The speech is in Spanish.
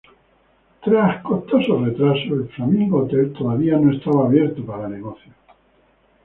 Tras costosos retrasos, el Flamingo Hotel todavía no estaba abierto para negocios.